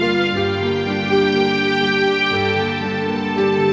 putri butuh kamu maya